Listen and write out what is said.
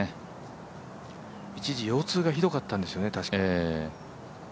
一時、腰痛がひどかったんですよね、確か。